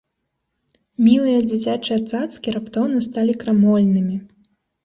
Мілыя дзіцячыя цацкі раптоўна сталі крамольнымі.